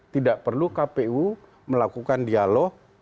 tidak perlu kpu melakukan dialog